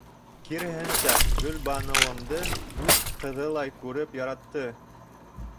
Киреһенсә, Гөлбаныуымды үҙ ҡыҙылай күреп яратты.